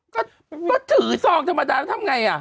ก็ทืส่องธรรมดาเธอทำไงอะ